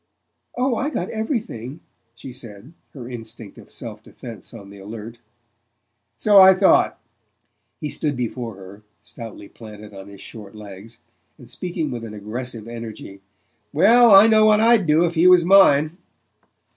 "Oh, I got everything," she said, her instinct of self defense on the alert. "So I thought." He stood before her, stoutly planted on his short legs, and speaking with an aggressive energy. "Well, I know what I'd do if he was mine."